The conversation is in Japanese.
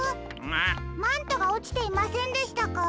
マントがおちていませんでしたか？